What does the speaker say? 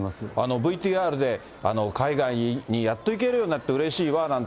ＶＴＲで、海外にやっと行けるようになってうれしいわなんて